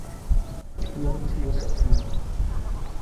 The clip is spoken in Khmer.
ខ្ញុំឈ្មោះសុផាត